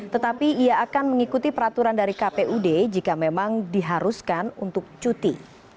tetapi ia akan mengikuti peraturan dari kpud jika memang diharuskan untuk cuti